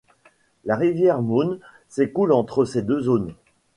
La rivière Möhne s'écoule entre ces deux zones.